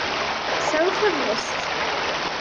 Sɛu tabɣest!